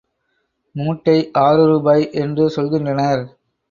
மூட்டை ஆறு ரூபாய் என்று சொல்கின்றனர்.